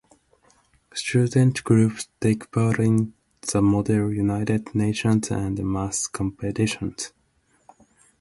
Student groups take part in the Model United Nations and maths competitions.